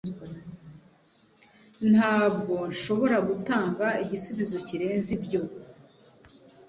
Ntabwo nshobora gutanga igisubizo kirenze ibyo.